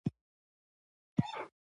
د مالوماتو پروسس ځانګړې تکتیکونه درلودل.